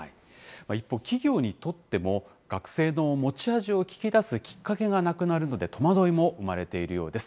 一方、企業にとっても、学生の持ち味を聞きだすきっかけがなくなるので、戸惑いも生まれているようです。